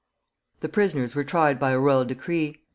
The prisoners were tried by a royal decree.